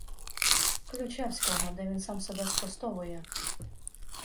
Ключевського, де він сам себе спростовує